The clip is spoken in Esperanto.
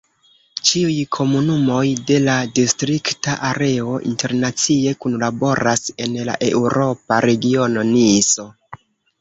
Ĉiuj komunumoj de la distrikta areo internacie kunlaboras en la eŭropa regiono Niso.